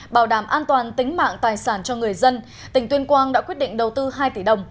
bảo đảm an toàn tính mạng tài sản cho người dân tỉnh tuyên quang đã quyết định đầu tư hai tỷ đồng